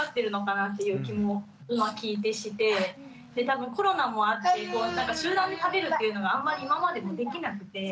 多分コロナもあって集団で食べるっていうのがあんまり今までもできなくて。